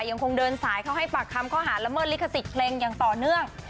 ยังคงเดินสายเข้าให้ปากคำข้อหารละเมิดลิขสิทธิ์เพลงอย่างต่อเนื่อง